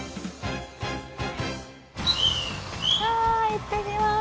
うわいってきます。